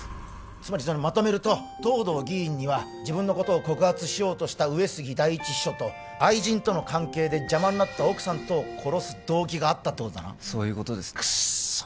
つまりそのまとめると藤堂議員には自分のことを告発しようとした上杉第一秘書と愛人との関係で邪魔になった奥さんとを殺す動機があったとそういうことですねクッソ